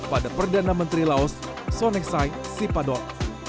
pada perdana menteri laos sonexai sipadon